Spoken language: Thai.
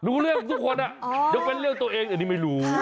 รู้เรื่องทุกคนยกเว้นเรื่องตัวเองอันนี้ไม่รู้